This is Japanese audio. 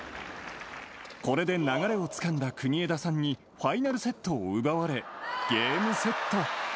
これで流れをつかんだ国枝さんに、ファイナルセットを奪われ、ゲームセット。